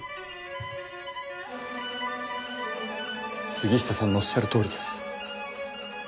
杉下さんのおっしゃるとおりです。